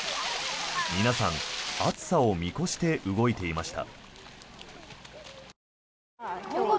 皆さん、暑さを見越して動いていました。